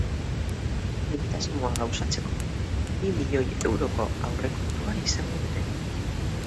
Egitasmoa gauzatzeko bi milioi euroko aurrekontua izango dute.